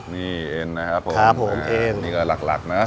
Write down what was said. มีเอ็นนะครับผมมีเนื้อหลักนะ